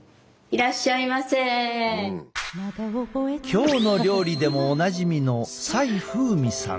「きょうの料理」でもおなじみの斉風瑞さん。